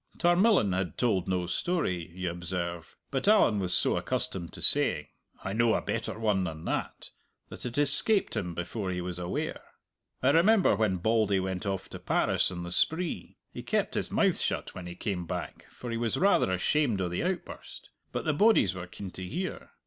Tarmillan had told no story, you observe, but Allan was so accustomed to saying "I know a better one than that," that it escaped him before he was aware. "I remember when Bauldy went off to Paris on the spree. He kept his mouth shut when he came back, for he was rather ashamed o' the outburst. But the bodies were keen to hear.